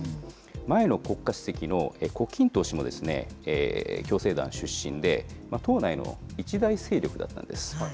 前の国家主席の胡錦涛氏も共青団出身で、党内の一大勢力だったんです。